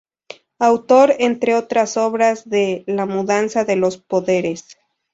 Autor, entre otras obras, de "La mudanza de los poderes.